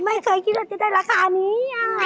ไม่เคยคิดว่าจะได้ราคานี้